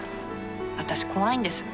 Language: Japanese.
私怖いんです。